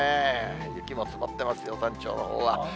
雪も積もってますよ、山頂のほうは。